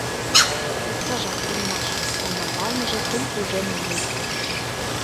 Оксажат улмаш: коҥгамбалныже кум тӱжемым мумо.